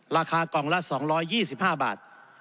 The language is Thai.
ราคากล่องละ๒๒๕บาท